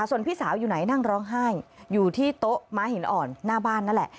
ส่วนพี่สาวอยู่ไหนนั่งร้องไห้อยู่ที่โต๊ะม้าหินอ่อนหน้าบ้านนั่นแหละ